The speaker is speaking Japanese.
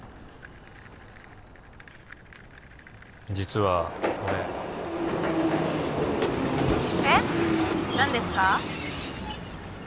実は俺えっ何ですか？